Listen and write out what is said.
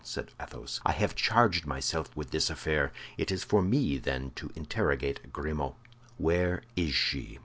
said Athos. "I have charged myself with this affair. It is for me, then, to interrogate Grimaud." "Where is she?"